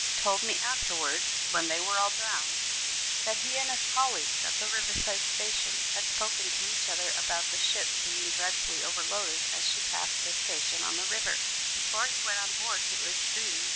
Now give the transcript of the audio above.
told me afterwards (when they were all drowned) that he and his colleagues at the river side station had spoken to each other about the ship being dreadfully overloaded as she passed their station on the river, before he went on board to urge duty